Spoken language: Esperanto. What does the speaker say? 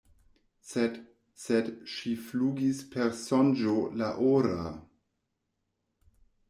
Sed, sed „ŝi flugis per sonĝo la ora!“